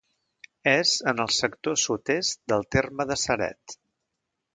És en el sector sud-est del terme de Ceret.